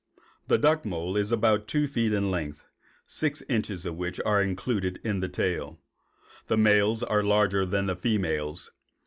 The duck mole is about two feet in length, six inches of which are included in the tail. The males are larger than the females.